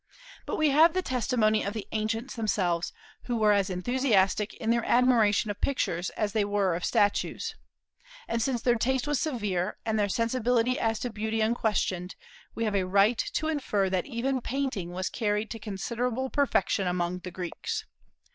But we have the testimony of the ancients themselves, who were as enthusiastic in their admiration of pictures as they were of statues. And since their taste was severe, and their sensibility as to beauty unquestioned, we have a right to infer that even painting was carried to considerable perfection among the Greeks.